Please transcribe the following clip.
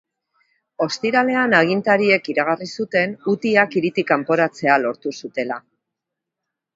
Ostiralean agintariek iragarri zuten hutiak hiritik kanporatzea lortu zutela.